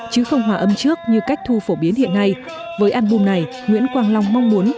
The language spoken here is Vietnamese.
chứ không hòa âm trước như cách thu phổ biến hiện nay với album này nguyễn quang long mong muốn